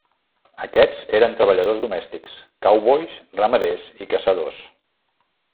Aquests eren treballadors domèstics, cowboys, ramaders i caçadors.